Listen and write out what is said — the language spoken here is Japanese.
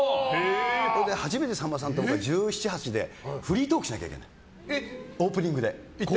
それで初めてさんまさんと１７１８でフリートークしなきゃいけないオープニングで。